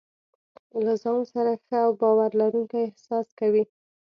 له ځان سره ښه او باور لرونکی احساس کوي.